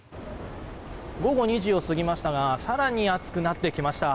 午後２時を過ぎましたが更に暑くなってきました。